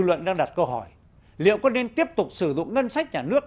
luận đang đặt câu hỏi liệu có nên tiếp tục sử dụng ngân sách nhà nước